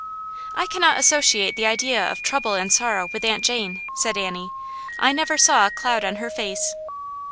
" I cannot associate the idea of trouble and sorrow with Aunt Jane," said Annie. " I never saw a cloud on her face."